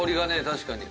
確かに。